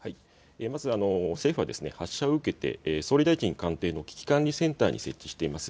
まず政府は発射を受けて総理大臣官邸の危機管理センターに設置しています